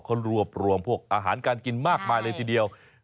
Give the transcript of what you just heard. เขารวบรวมพวกอาหารการกินมากมายเลยทีเดียว